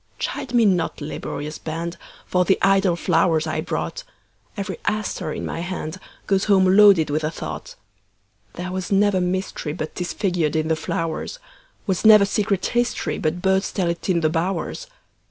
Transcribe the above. Chide me not, laborious band, For the idle flowers I brought; Every aster in my handGoes home loaded with a thought. There was never mysteryBut 'tis figured in the flowers; SWas never secret historyBut birds tell it in the bowers.